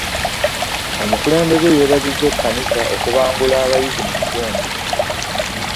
Omukulembeze yeebazizza ekkanisa okubangula abayizi mu kitundu.